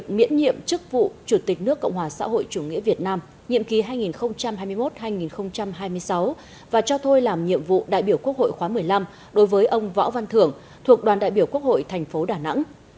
miễn nhiệm chức vụ chủ tịch nước cộng hòa xã hội chủ nghĩa việt nam nhiệm ký hai nghìn hai mươi một hai nghìn hai mươi sáu và cho thôi làm nhiệm vụ đại biểu quốc hội khóa một mươi năm đối với ông võ văn thưởng thuộc đoàn đại biểu quốc hội thành phố đà nẵng